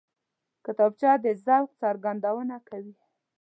کتابچه د ذوق څرګندونه کوي